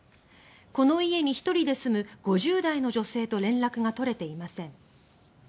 この家に１人で住む５０代の女性と連絡が取れていません。